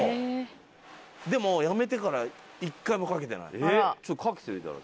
でも辞めてから一回もかけてない。